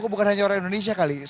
bukan hanya orang indonesia kali